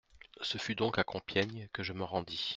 Ce fut donc à Compiègne que je me rendis.